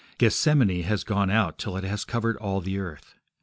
Gethsemane has gone out till it has covered all the earth.